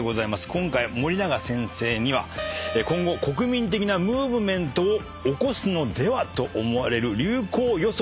今回森永先生には今後国民的なムーブメントを起こすのではと思われる流行予測。